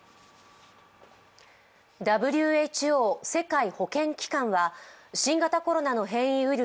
ＷＨＯ＝世界保健機関は新型コロナの変異ウイル